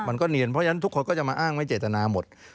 มันก็เนียนเพราะฉะนั้นทุกคนก็จะมาอ้างไว้เจตนาหมด